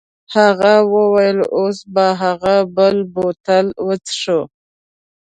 هغه وویل اوس به هغه بل بوتل وڅښو.